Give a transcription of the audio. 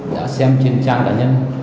đã xem trên trang tài nhân